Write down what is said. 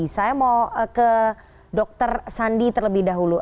saya mau ke dr sandi terlebih dahulu